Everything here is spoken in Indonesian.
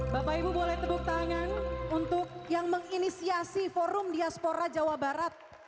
bapak ibu boleh tepuk tangan untuk yang menginisiasi forum diaspora jawa barat